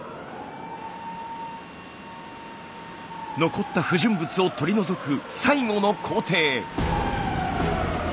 残った不純物を取り除く最後の工程。